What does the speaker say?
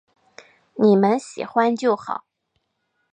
妳们喜欢就好